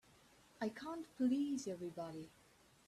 I can't please everybody.